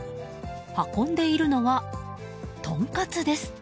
運んでいるのは、トンカツです。